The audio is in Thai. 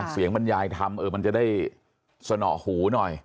เสียงบรรยายธรรมมันจะได้สนอหูหน่อย